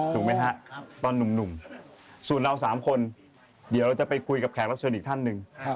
ถูกไหมฮะตอนหนุ่มส่วนเรา๓คนเดี๋ยวเราจะไปคุยกับแขกรับเชิญอีกท่านหนึ่ง